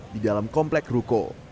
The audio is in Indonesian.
di dalam komplek ruko